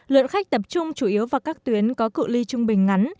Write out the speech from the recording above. luận khách tập trung chủ yếu vào các tuyến có cựu ly trung bình ngắn